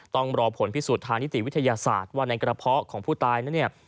ต้องรอผลพิสูจน์ทางนิติวิทยาศาสตร์ว่าในกระเพาะของผู้ตายนั้นเนี่ย